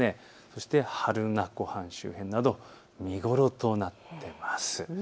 そして榛名湖周辺など、見頃となっています。